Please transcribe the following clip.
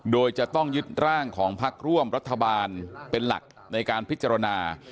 โดยจะต้องยึดร่างของพักร่วมรัฐบาลเป็นหลักในการพิจารณา